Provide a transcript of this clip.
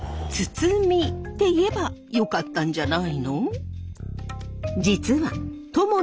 「堤」って言えばよかったんじゃないの？